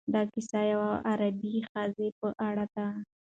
دا کيسه د یوې غریبې ښځې په اړه ده.